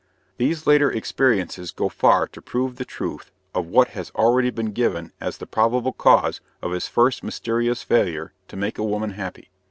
These later experiences go far to prove the truth of what has already been given as the probable cause of his first mysterious failure to make a woman happy.